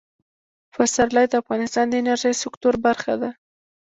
پسرلی د افغانستان د انرژۍ سکتور برخه ده.